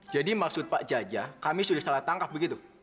jadi maksud pak jaja kami sudah salah tangkap begitu